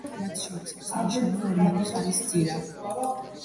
მათ შორის, აღსანიშნავია ორმაგი ხარისძირა.